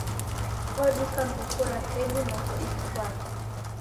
Oduka nguku rapedu noko isi kwape.